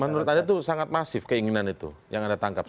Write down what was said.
menurut anda itu sangat masif keinginan itu yang anda tangkap